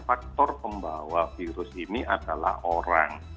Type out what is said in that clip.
faktor pembawa virus ini adalah orang